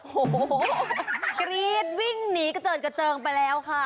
โหกรี๊ดวิ่งหนีเกริ่นเกริ่งไปแล้วค่ะ